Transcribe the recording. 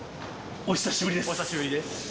お久しぶりです。